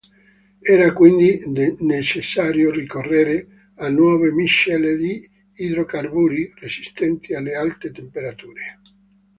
Era quindi necessario ricorrere a nuove miscele di idrocarburi resistenti alle alte temperature.